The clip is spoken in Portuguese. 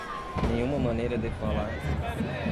Nenhuma maneira de falar